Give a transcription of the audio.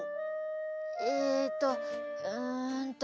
えとうんと。